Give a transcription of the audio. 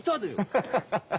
ハハハハハ。